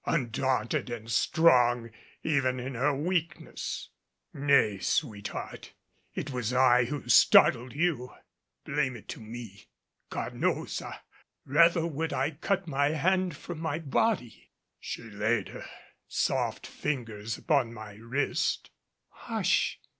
Undaunted and strong even in her weakness! "Nay, sweetheart. It was I who startled you. Blame it to me. God knows, rather would I cut my hand from my body " She laid her soft fingers upon my wrist. "Hush!"